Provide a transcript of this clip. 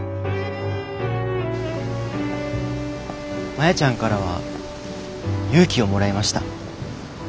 マヤちゃんからは勇気をもらいました。